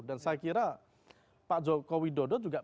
dan saya kira pak jokowi dodo juga